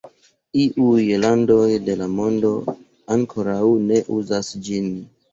Iuj landoj de la mondo ankoraŭ ne uzas ĝin.